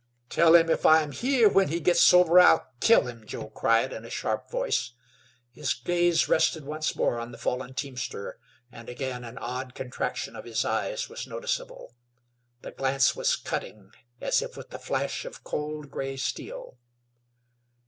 "Tell him if I am here when he gets sober, I'll kill him," Joe cried in a sharp voice. His gaze rested once more on the fallen teamster, and again an odd contraction of his eyes was noticeable. The glance was cutting, as if with the flash of cold gray steel.